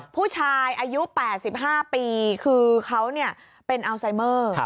ผู้ชายอายุ๘๕ปีคือเขาเป็นอัลไซเมอร์